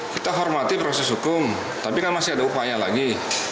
kita hormati proses hukum tapi kan masih ada upaya lagi